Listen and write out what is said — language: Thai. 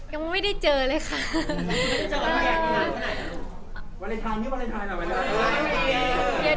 ยังไม่ได้เจอเลยค่ะ